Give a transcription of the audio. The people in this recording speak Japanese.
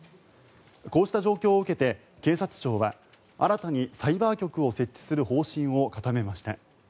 こうした状況を受けて警察庁は新たにサイバー局を設置する方針を固めました。